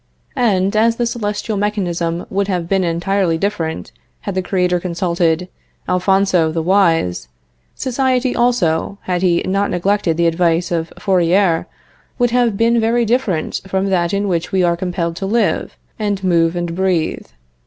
And, as the celestial mechanism would have been entirely different had the Creator consulted Alphonso the Wise, society, also, had He not neglected the advice of Fourier, would have been very different from that in which we are compelled to live, and move, and breathe.